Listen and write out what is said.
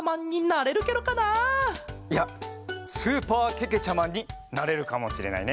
いやスーパーけけちゃマンになれるかもしれないね。